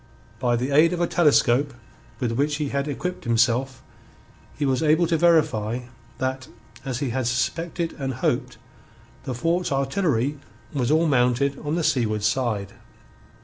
By the aid of a telescope with which he had equipped himself he was able to verify that, as he had suspected and hoped, the fort's artillery was all mounted on the seaward side.